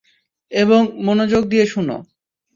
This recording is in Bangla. এবং মনোযোগ দিয়ে শুনো।